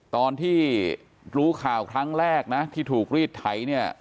ตอนที่รู้ข่าวครั้งแรกนะที่ถูกรีดไถเนี่ย